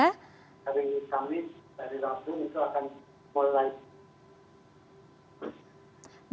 kami dari langsung itu akan